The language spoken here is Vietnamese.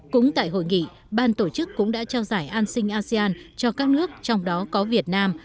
cũng tại hội nghị ban tổ chức cũng đã trao giải an sinh asean cho các nước trong đó có việt nam